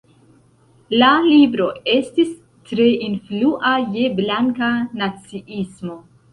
La libro estis tre influa je blanka naciismo.